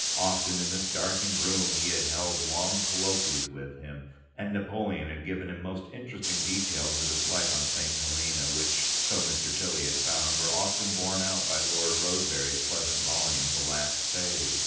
Often in this darkened room he had held long colloquies with him, and Napoleon had given him most interesting details of his life on St. Helena, which, so Mr. Tilly had found, were often borne out by Lord Rosebery's pleasant volume The Last Phase.